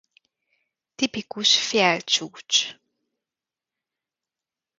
Tipikus fjell-csúcs.